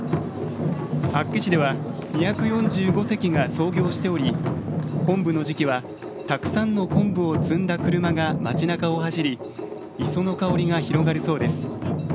厚岸では２４５隻が操業しておりコンブの時期はたくさんのコンブを積んだ車が街なかを走り磯の香りが広がるそうです。